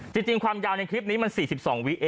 จริงความยาวในคลิปนี้มัน๔๒วิ